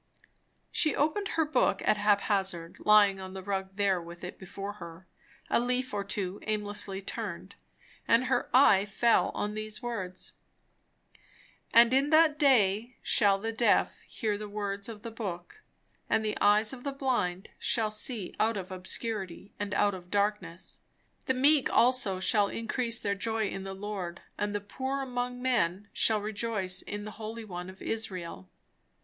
She opened her book at hap hazard, lying on the rug there with it before her. A leaf or two aimlessly turned, and her eye fell on these words: "And in that day shall the deaf hear the words of the book, and the eyes of the blind shall see out of obscurity and out of darkness. The meek also shall increase their joy in the Lord, and the poor among men shall rejoice in the Holy One of Israel."